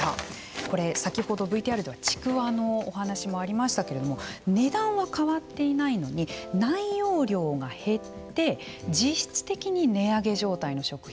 これ、先ほどＶＴＲではちくわのお話もありましたけれども値段は変わっていないのに内容量が減って実質的に値上げ状態の食品